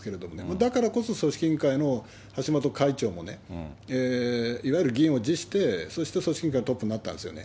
だからこそ、組織委員会の橋本会長もね、いわゆる議員を辞して、そして組織委員会のトップになったんですよね。